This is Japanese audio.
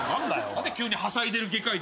何で急にはしゃいでる外科医。